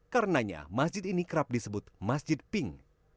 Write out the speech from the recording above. karenanya masjid ini kerap disebut masjid pink